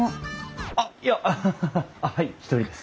あっいやはい１人です。